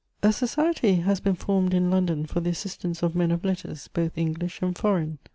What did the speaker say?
A society has been formed in London for the assistance of men of letters, both English and foreign.